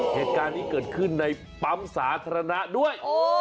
เหตุการณ์นี้เกิดขึ้นในปั๊มสาธารณะด้วย